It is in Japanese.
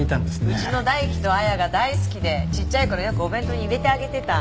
うちの大樹と亜矢が大好きでちっちゃい頃よくお弁当に入れてあげてた。